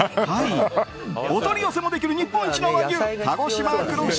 お取り寄せもできる日本一の和牛、鹿児島黒牛